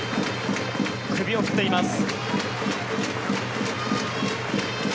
首を振っています。